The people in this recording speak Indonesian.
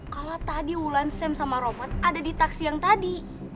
kalau tadi wulan sam sama roman ada di taksi yang tadi